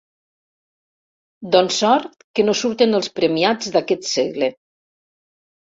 Doncs sort que no surten els premiats d'aquest segle!